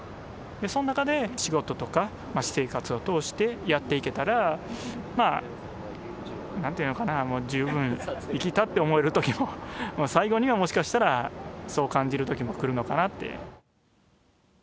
その中で仕事とか私生活を通してやっていけたら、まあ、なんていうのかな、十分生きたって思えるときも、最後にはもしかしたらそう感じるときも来るのかなって。